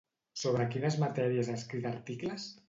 Sobre quines matèries ha escrit articles?